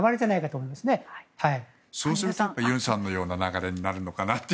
そうするとユンさんのような流れになるのかなと。